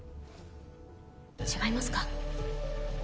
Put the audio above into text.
違いますか？